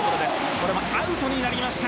これはアウトになりました。